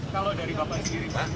kalau dari bapak sendiri pak